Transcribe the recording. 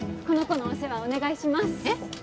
この子のお世話お願いしますえっ！？